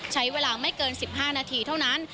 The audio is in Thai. ใช้เวลาไม่เกิน๑๕นาทีเท่านั้น